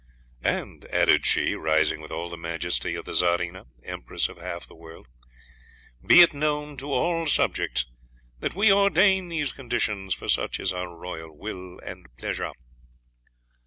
And," added she, rising with all the majesty of the Czarina, Empress of half the world, "be it known to all subjects, that We ordain these conditions, for such is our royal will and pleasure."